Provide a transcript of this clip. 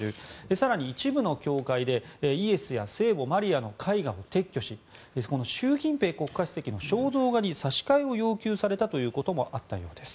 更に一部の教会でイエスや聖母マリアの絵画を撤去し習近平国家主席の肖像画に差し替えを要求されたということもあったそうです。